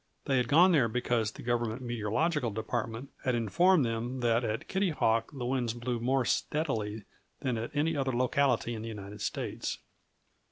They had gone there because the Government meteorological department had informed them that at Kitty Hawk the winds blew more steadily than at any other locality in the United States.